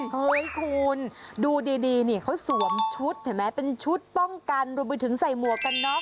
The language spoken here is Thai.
เฮ้ยคุณดูดีนี่เขาสวมชุดเห็นไหมเป็นชุดป้องกันรวมไปถึงใส่หมวกกันน็อก